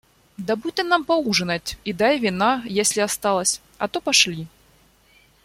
Добудь ты нам поужинать и дай вина, если осталось, а то пошли.